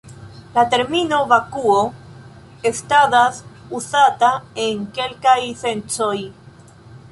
La termino "vakuo" estadas uzata en kelkaj sencoj.